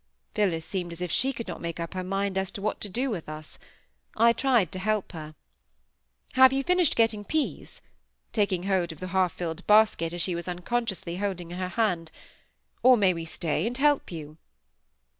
Phillis seemed as if she could not make up her mind as to what to do with us. I tried to help her,— "Have you finished getting peas?" taking hold of the half filled basket she was unconsciously holding in her hand; "or may we stay and help you?"